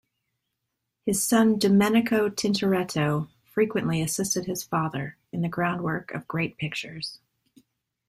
His son Domenico Tintoretto frequently assisted his father in the groundwork of great pictures.